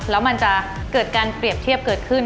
แล้วมันจะเกิดการเปรียบเทียบเกิดขึ้น